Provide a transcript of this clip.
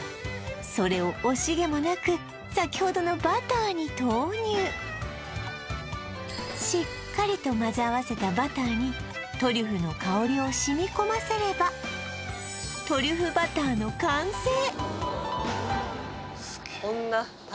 それを惜しげもなく先ほどのバターに投入しっかりとまぜ合わせたバターにトリュフの香りをしみこませればの完成